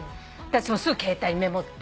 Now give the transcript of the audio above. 私すぐ携帯にメモって。